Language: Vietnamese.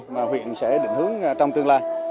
mà huyện sẽ định hướng trong tương lai